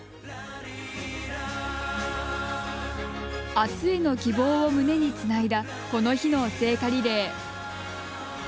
あすへの希望を胸につないだこの日の聖火リレー。